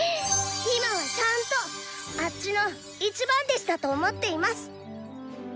今はちゃんとあッチの一番弟子だと思っています。